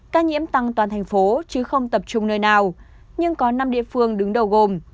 ca nhiễm tăng toàn thành phố chứ không tập trung nơi nào nhưng có năm địa phương đứng đầu gồm